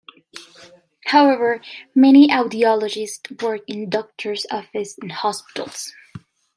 However, many audiologists work in doctor's office and hospitals.